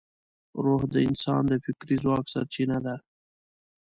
روح د انسان د فکري ځواک سرچینه ده.